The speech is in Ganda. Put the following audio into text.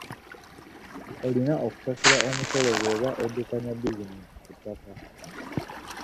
Olina okusasula omusolo bw'oba oddukanya bizinensi ku ttaka.